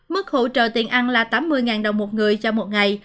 mức hỗ trợ tiền ăn là tám mươi đồng một người cho một ngày